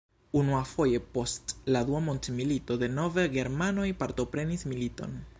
Unuafoje post la Dua mondmilito, denove germanoj partoprenis militon.